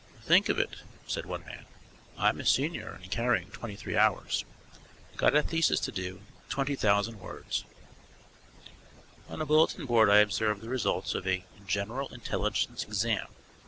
"Think of it," said one man, "I'm a senior, and carrying twenty three hours. Got a thesis to do, 20,000 words." On a bulletin board I observed the results of a "General Intelligence Exam."